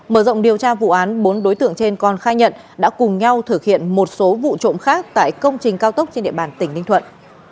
mở rộng điều tra vụ án bốn đối tượng trên còn khai nhận đã cùng nhau thực hiện một số vụ trộm khác tại công trình cao tốc trên địa bàn tỉnh ninh thuận